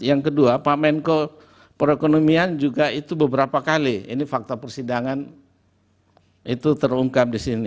yang kedua pak menko perekonomian juga itu beberapa kali ini fakta persidangan itu terungkap di sini